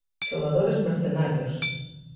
Xogadores Mercenarios!